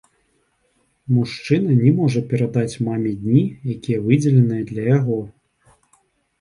Мужчына не можа перадаць маме дні, якія выдзеленыя для яго.